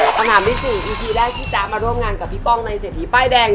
คำถามที่๔อีทีแรกพี่จ๊ะมาร่วมงานกับพี่ป้องในเศรษฐีป้ายแดง